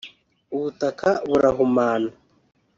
ubutaka burahumana